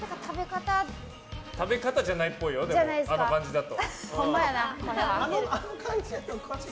食べ方じゃないっぽいよあの感じだと。